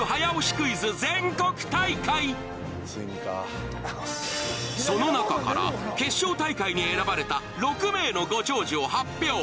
クイズ全国大会その中から決勝大会に選ばれた６名のご長寿を発表